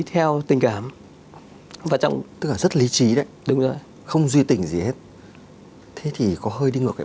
theo tình cảm và trọng tựa rất lý trí đấy đúng không duy tình gì hết thế thì có hơi đi ngược cái